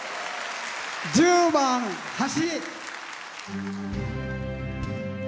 １０番「橋」。